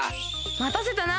またせたな！